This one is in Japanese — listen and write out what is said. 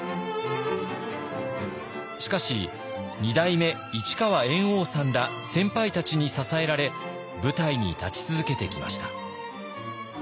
しかし二代目市川猿翁さんら先輩たちに支えられ舞台に立ち続けてきました。